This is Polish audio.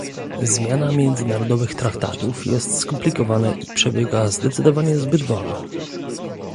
Zmiana międzynarodowych traktatów jest skomplikowana i przebiega zdecydowanie zbyt wolno